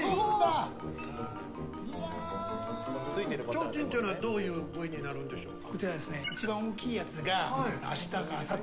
ちょうちんというのはどういう部位になるんでしょうか。